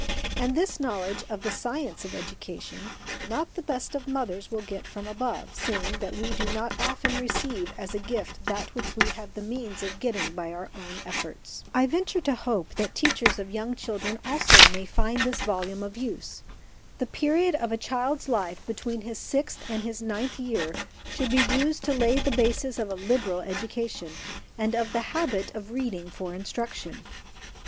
And this knowledge of the science of education, not the best of mothers will get from above, seeing that we do not often receive as a gift that which we have the means of getting by our own efforts. I venture to hope that teachers of young children, 1 The Rev. F. D. Maurice. PREFACE TO THE FOURTH EDITION XIX also, may find this volume of use. The period of a child's life between his sixth and his ninth year should be used to lay the basis of a liberal education, and of the habit of reading for instruction.